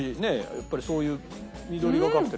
やっぱりそういう緑がかってる。